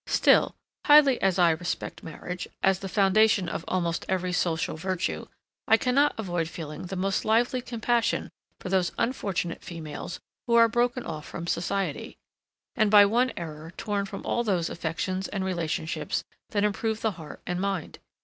Still, highly as I respect marriage, as the foundation of almost every social virtue, I cannot avoid feeling the most lively compassion for those unfortunate females who are broken off from society, and by one error torn from all those affections and relationships that improve the heart and mind.